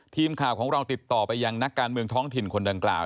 ทีมข่าวของเราติดต่อไปยังนักการเมืองท้องถิ่นคนดังกล่าว